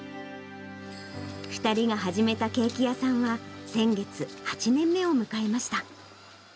２人が始めたケーキ屋さんは、先月、８年目を迎えました。